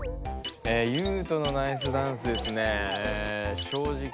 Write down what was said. えユウトのナイスダンスですねしょうじき